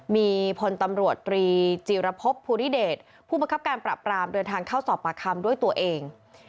มีพลตำรวจตรีจีรพบภูริเดชผู้บังคับการปรับปรามเดินทางเข้าสอบปากคำด้วยตัวเอง